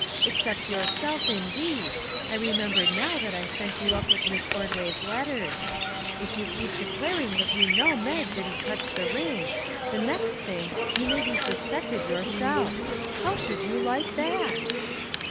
Except your self, indeed; I remember now that I sent you up with Miss Ordway's letters. If you keep declaring that you know Mag didn't touch the ring, the next thing you may be suspected your self. How should you like that